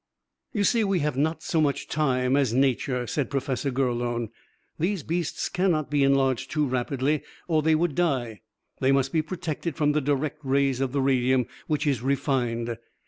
"You see, we have not so much time as nature," said Professor Gurlone. "These beasts cannot be enlarged too rapidly, or they would die. They must be protected from the direct rays of the radium, which is refined.